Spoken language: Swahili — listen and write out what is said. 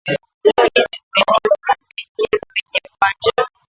Leo ni siku yetu tufike kwenye uwanja